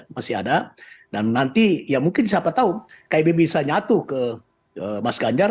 masih ada dan nanti ya mungkin siapa tahu kib bisa nyatu ke mas ganjar